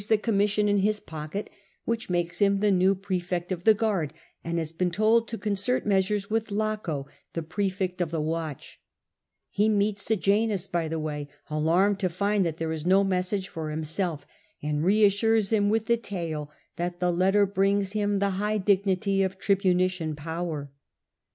14 37 where the Emperor's letter ' verbosa et grandis episiola* is read, commission in his pocket which makes him the new praefect of the guard, and has been told to concert mea sures with Laco, the praefect of the watch. He meets Sejanus by the way, alarmed to find that there is no mes sage for himself, and reassures him with the tale that the letter brings him the high dignity of tribunician power.